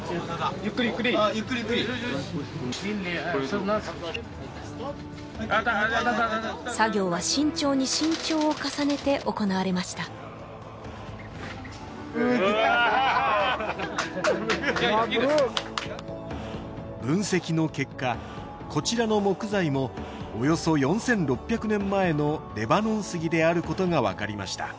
ゆっくりゆっくり・ゆっくりゆっくり作業は慎重に慎重を重ねて行われました分析の結果こちらの木材もおよそ４６００年前のレバノンスギであることがわかりました